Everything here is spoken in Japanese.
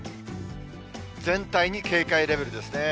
全体に警戒レベルですね。